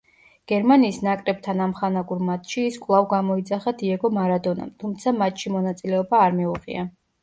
გერმანიის ნაკრებთან ამხანაგურ მატჩში ის კვლავ გამოიძახა დიეგო მარადონამ, თუმცა მატჩში მონაწილეობა არ მიუღია.